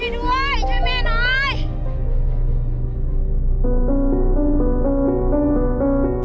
ช่วยด้วยช่วยแม่น้อย